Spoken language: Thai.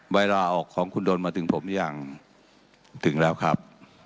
เวลาออกของคุณดนนตร์ลาออกมาถึงผมถึงแล้วครับ